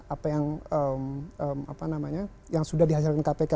apa yang apa namanya yang sudah dihasilkan kpk